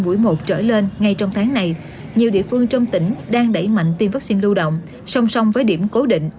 buổi một trở lên ngay trong tháng này nhiều địa phương trong tỉnh đang đẩy mạnh tiêm vaccine lưu động song song với điểm cố định hàng ngày